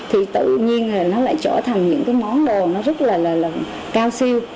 thì tự nhiên là nó lại trở thành những cái món đồ nó rất là là cao siêu